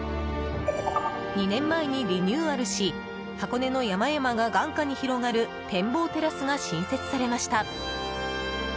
２年前にリニューアルし箱根の山々が眼下に広がる展望テラスが新設されました。